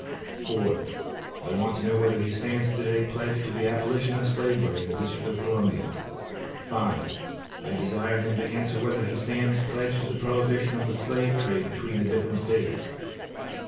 I want to know whether he stands to day pledged to the abolition of slavery in the District of Columbia. I desire him to answer whether he stands pledged to the prohibition of the slave trade between the different States.